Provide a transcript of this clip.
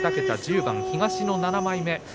２桁１０番、東の７枚目。